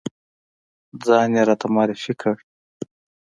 ځان یې راته معرفی کړ.